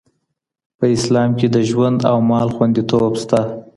په اسلام کي د ژوند او مال خوندیتوب سته.